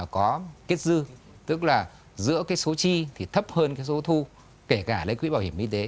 có kết dư tức là giữa cái số chi thì thấp hơn cái số thu kể cả lấy quỹ bảo hiểm y tế